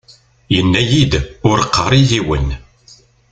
Yenna-iyi-d: Ur qqar i yiwen.